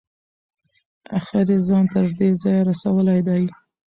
اخیر یې ځان تر دې ځایه رسولی دی.